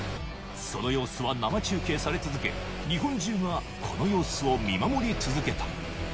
その様子は生中継され続け、日本中がこの様子を見守り続けた。